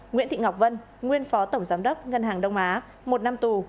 nguyễn thị ngọc vân nguyên phó tổng giám đốc ngân hàng đông á một năm tù